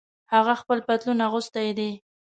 هغه خپل پتلون اغوستۍ دي